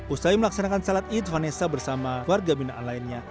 usai melaksanakan salat id vanessa bersama warga binaan lainnya